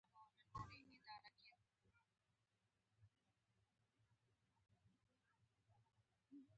غنم د حیواناتو او ملخانو له حملې سره مخ و.